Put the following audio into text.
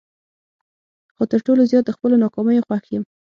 خو تر ټولو زیات د خپلو ناکامیو خوښ یم.